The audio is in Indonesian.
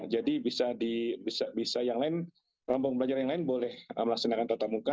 jadi bisa yang lain rombongan pelajar yang lain boleh melaksanakan tetap muka